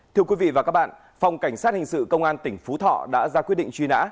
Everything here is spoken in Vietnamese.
thưa quý vị và các bạn phòng cảnh sát hình sự công an tỉnh phú thọ đã ra quyết định truy nã